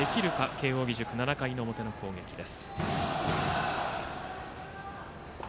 慶応義塾、７回の表の攻撃です。